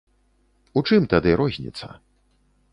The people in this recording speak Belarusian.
У чым тады розніца?